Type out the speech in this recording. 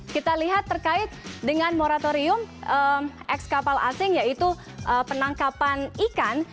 kita lihat terkait dengan moratorium eks kapal asing yaitu penangkapan ikan